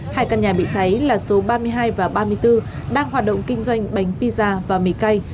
hai căn nhà bị cháy là số ba mươi hai và ba mươi bốn đang hoạt động kinh doanh bánh pizza và mì cây